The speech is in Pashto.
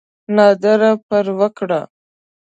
ناره پر وکړه.